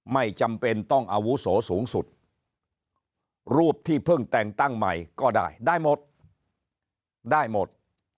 ไม่จำเป็นต้องอาวุโสสูงสุดรูปที่เพิ่งแต่งตั้งใหม่ก็ได้ได้หมดได้หมด